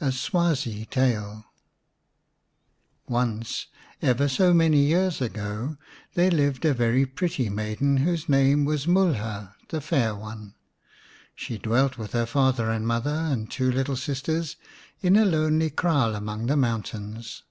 A SWAZI TALE ONCE, ever so many years ago, there lived a very pretty maiden whose name was Mulha, " the Fair One." She dwelt with her father and mother and two little sisters in a lonely kraal among the mountains.